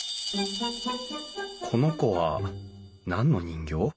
この子は何の人形？